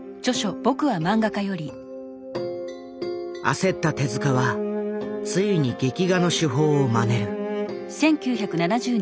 焦った手はついに劇画の手法をまねる。